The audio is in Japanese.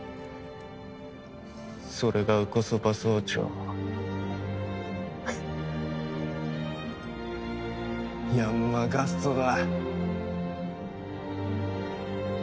それがンコソパ総長フッヤンマ・ガストだ！